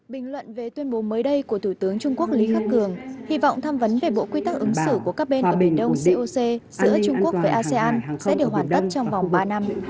bình luận về tuyên bố mới đây của thủ tướng trung quốc lý khắc cường hy vọng tham vấn về bộ quy tắc ứng xử của các bên ở biển đông coc giữa trung quốc với asean sẽ được hoàn tất trong vòng ba năm